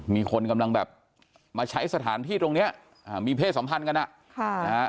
มีคนกำลังแบบมาใช้สถานที่ตรงเนี้ยอ่ามีเพศสัมพันธ์กันอ่ะค่ะนะฮะ